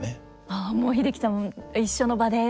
ああもう英樹さんも一緒の場で？